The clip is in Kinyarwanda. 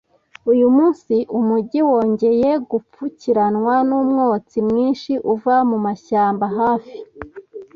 Uyu munsi umujyi wongeye gupfukiranwa numwotsi mwinshi uva mumashyamba hafi.